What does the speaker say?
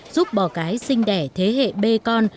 giúp bò cái sinh đẻ thế hệ bê con